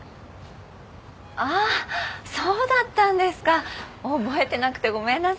ああそうだったんですか覚えてなくてごめんなさい。